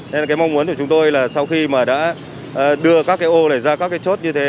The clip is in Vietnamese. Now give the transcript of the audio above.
nên là cái mong muốn của chúng tôi là sau khi mà đã đưa các cái ô này ra các cái chốt như thế